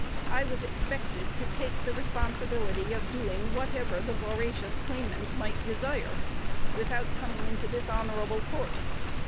I was expected to take the responsibility of doing whatever the voracious claimant might desire, without coming into this honorable court.